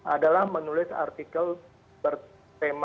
adalah menulis artikel bertema